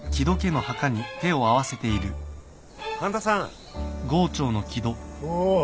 ・半田さん。おお。